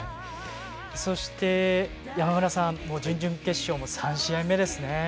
そして、山村さん準々決勝も３試合目ですね。